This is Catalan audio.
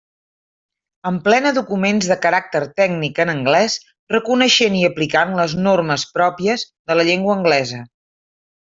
Emplena documents de caràcter tècnic en anglès reconeixent i aplicant les normes pròpies de la llengua anglesa.